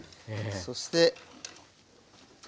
そして。